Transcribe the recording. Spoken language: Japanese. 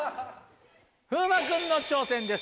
風磨君の挑戦です。